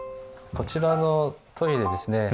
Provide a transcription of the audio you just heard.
こちらのトイレですね